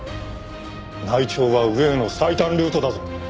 内調は上への最短ルートだぞ。